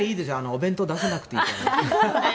お弁当出さなくていいですから。